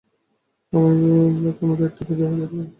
আমায় কোন দায়িত্বটা দেয়া যেতে পারে?